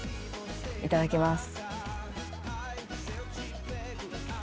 いただきます。